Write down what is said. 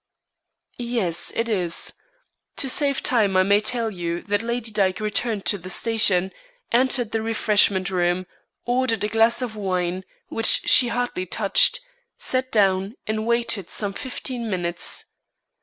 "Yes, it is. To save time I may tell you that Lady Dyke returned to the station, entered the refreshment room, ordered a glass of wine, which she hardly touched, sat down, and waited some fifteen minutes.